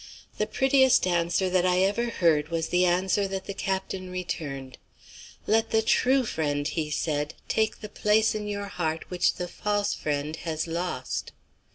The prettiest answer that I ever heard was the answer that the Captain returned. 'Let the true friend,' he said, 'take the place in your heart which the false friend has lost.